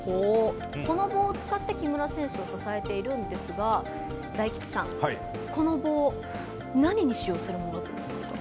この棒を使って木村選手を支えているんですが大吉さん、この棒何に使用するものだと思いますか？